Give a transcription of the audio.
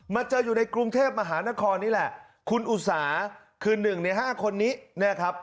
เจออยู่ในกรุงเทพมหานครนี่แหละคุณอุสาคือหนึ่งในห้าคนนี้นะครับ